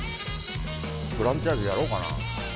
フランチャイズやろうかな。